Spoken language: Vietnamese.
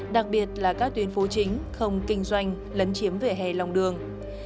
đặc biệt là các tuyến phố chính không kinh doanh lấn chiếm vỉa hè lòng đường